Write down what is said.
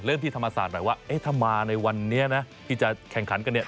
ที่ธรรมศาสตร์หน่อยว่าเอ๊ะถ้ามาในวันนี้นะที่จะแข่งขันกันเนี่ย